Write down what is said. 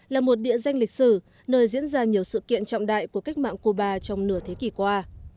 là một địa danh lịch sử nơi diễn ra nhiều sự kiện trọng đại của cách mạng cuba trong nửa thế kỷ qua